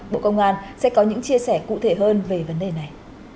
bộ công an sẽ có những chia sẻ cụ thể hơn về vấn đề này